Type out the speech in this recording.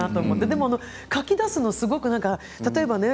でも書き出すの、すごくいいね。